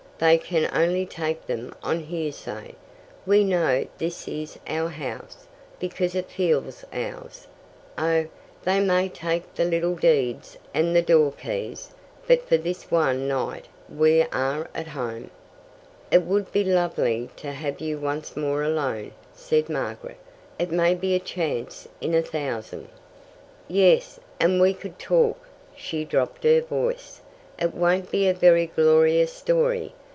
They can only take them on hearsay. We know this is our house, because it feels ours. Oh, they may take the title deeds and the doorkeys, but for this one night we are at home." "It would be lovely to have you once more alone," said Margaret. "It may be a chance in a thousand." "Yes, and we could talk." She dropped her voice. "It won't be a very glorious story.